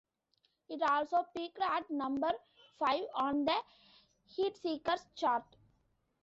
It also peaked at number five on the Heatseekers chart.